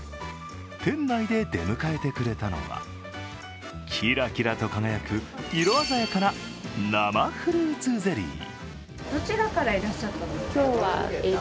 店内で出迎えてくれたのはキラキラと輝く色鮮やかな生フルーツゼリー。